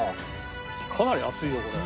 かなり厚いよこれ。